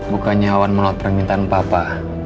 bukannya wan menolak permintaan papa